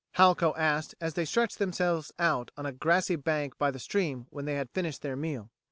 Halco asked as they stretched themselves out on a grassy bank by the stream when they had finished their meal.